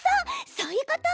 そういうこと！